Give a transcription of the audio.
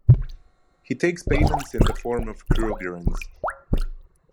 He takes payment in the form of Krugerrands.